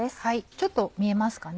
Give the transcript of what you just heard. ちょっと見えますかね